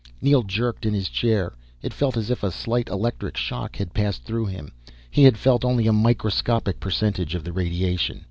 Neel jerked in his chair. It felt as if a slight electric shock had passed through him. He had felt only a microscopic percentage of the radiation.